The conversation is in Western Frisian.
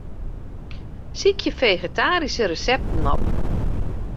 Sykje fegetaryske resepten op.